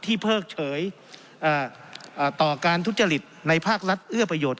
เพิกเฉยต่อการทุจริตในภาครัฐเอื้อประโยชน